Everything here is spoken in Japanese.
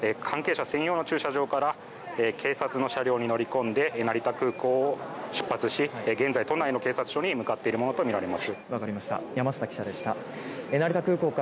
先ほど２人は成田空港の地下にある関係者専用の駐車場から警察の車両に乗り込んで成田空港を出発し現在、都内の警察署に向かっているものと見られます。